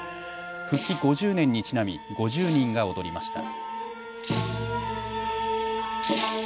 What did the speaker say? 復帰５０年にちなみ５０人が踊りました。